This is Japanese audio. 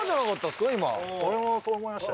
俺もそう思いました。